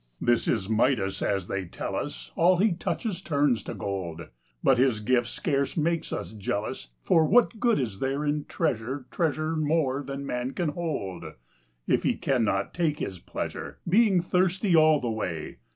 This is Midas : as they tell us, All he touches turns to gold, But his gift scarce makes us jealous ; For what good is there in treasure. Treasure more than man can hold. If he cannot take his pleasure, Being thirsty all the way